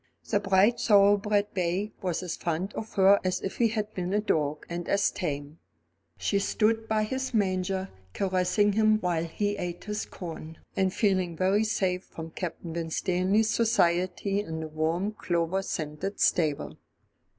The bright thoroughbred bay was as fond of her as if he had been a dog, and as tame. She stood by his manger caressing him while he ate his corn, and feeling very safe from Captain Winstanley's society in the warm clover scented stable.